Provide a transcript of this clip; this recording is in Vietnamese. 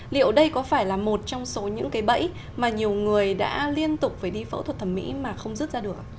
liệu đây có phải là một trong số những cái bẫy mà nhiều người đã liên tục phải đi phẫu thuật thẩm mỹ mà không rứt ra được